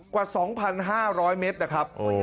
กว่า๒๕๐๐เมตรนะครับ